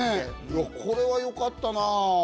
いやこれは良かったな。